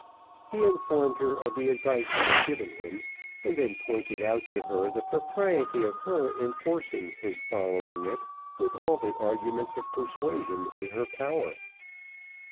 He informed her of the advice he had given him, and then pointed out to her the propriety of her enforcing his following it with all the arguments of persuasion in her power.